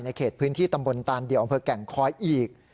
เขตพื้นที่ตำบลตานเดี่ยวอำเภอแก่งคอยอีก